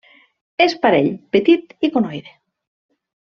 És parell, petit i conoide.